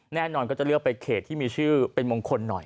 แน่นอนก็จะเลือกไปเขตที่มีชื่อเป็นมงคลหน่อย